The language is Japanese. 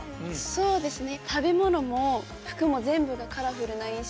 そうですね。